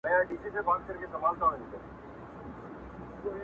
څليرويشتمه نکته.